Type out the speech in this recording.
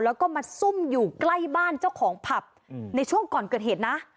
แล้วก็มาซุ่มอยู่ใกล้บ้านเจ้าของผับในช่วงก่อนเกิดเหตุนะ